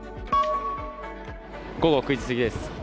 午後９時過ぎです。